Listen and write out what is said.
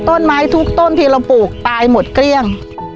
ต้นไม้ทุกต้นที่เราปลูกตายหมดเกลี้ยง